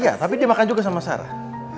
iya tapi dia makan juga sama sarah